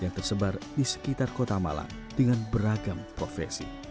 yang tersebar di sekitar kota malang dengan beragam profesi